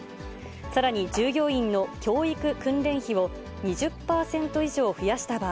さらに従業員の教育訓練費を２０％以上増やした場合、